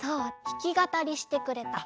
ひきがたりしてくれた。